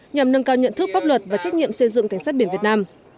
nhằm nâng cao nhận thức pháp luật và trách nhiệm xây dựng cảnh sát biển việt nam